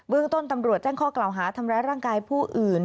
ต้นตำรวจแจ้งข้อกล่าวหาทำร้ายร่างกายผู้อื่น